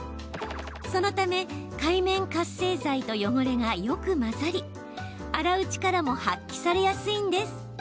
そのため界面活性剤と汚れがよく混ざり洗う力も発揮されやすいんです。